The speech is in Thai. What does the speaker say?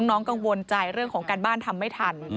น้องกังวลใจเรื่องของการบ้านทำไม่ทัน